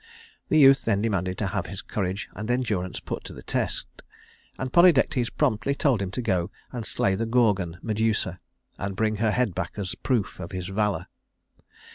The youth then demanded to have his courage and endurance put to the test, and Polydectes promptly told him to go and slay the Gorgon Medusa, and bring her head back as the proof of his valor.